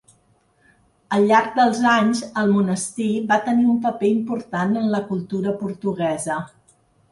Al llarg dels anys el monestir va tenir un paper important en la cultura portuguesa.